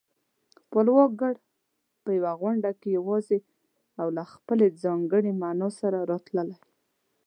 خپلواک گړ په يوه غونډله کې يواځې او له خپلې ځانګړې مانا سره راتلای